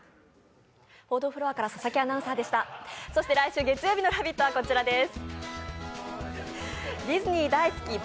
そして来週月曜日の「ラヴィット！」はこちらです。